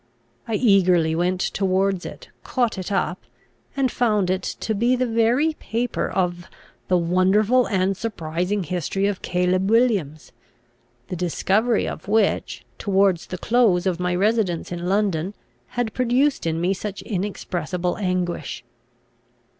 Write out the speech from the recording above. I eagerly went towards it, caught it up, and found it to be the very paper of the WONDERFUL AND SURPRISING HISTORY OF CALEB WILLIAMS, the discovery of which, towards the close of my residence in London, had produced in me such inexpressible anguish.